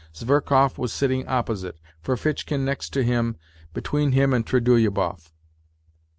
Zverkov was sitting opposite, Ferfitchkin next to him, between him and Trudolyubov.